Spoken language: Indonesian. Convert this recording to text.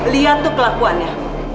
liat tuh kelakuannya